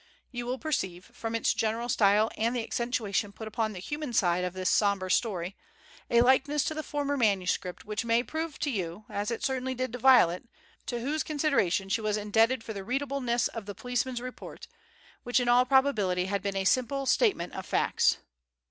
You will perceive, from its general style and the accentuation put upon the human side of this sombre story, a likeness to the former manuscript which may prove to you, as it certainly did to Violet, to whose consideration she was indebted for the readableness of the policeman's report, which in all probability had been a simple statement of facts.